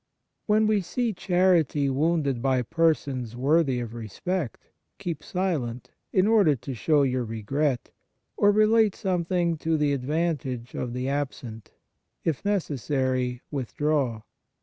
WHEN we see charity wounded by persons worthy of respect, keep silent, in order to show your regret, or relate something to the advan tage of the absent. If necessary, withdraw.